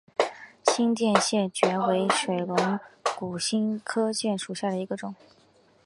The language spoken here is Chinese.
新店线蕨为水龙骨科线蕨属下的一个种。